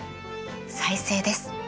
再生です。